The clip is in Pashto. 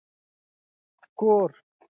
ګور تل د کبر مانا لري.